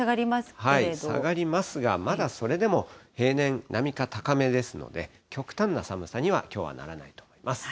けれ下がりますが、まだそれでも平年並みか高めですので、極端な寒さには、きょうはならないと思います。